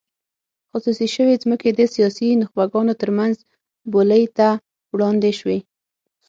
خصوصي شوې ځمکې د سیاسي نخبګانو ترمنځ بولۍ ته وړاندې شوې.